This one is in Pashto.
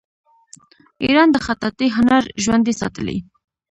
ایران د خطاطۍ هنر ژوندی ساتلی.